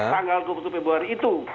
tanggal dua puluh satu februari itu